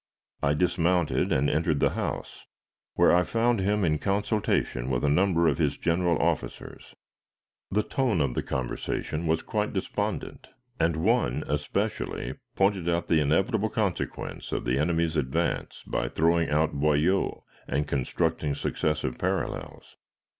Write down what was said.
I dismounted and entered the house, where I found him in consultation with a number of his general officers. The tone of the conversation was quite despondent, and one, especially, pointed out the inevitable consequence of the enemy's advance by throwing out boyaux and constructing successive parallels.